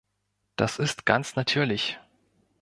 Das ist ganz natürlich.